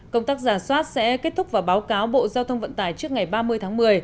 công tác giả soát sẽ kết thúc và báo cáo bộ giao thông vận tải trước ngày ba mươi tháng một mươi